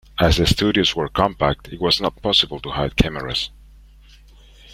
As the studios were compact it was not possible to hide cameras.